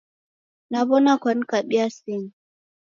Naw'ona Kwanikabia simu?